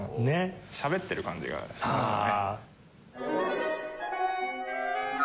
しゃべってる感じがしますよね。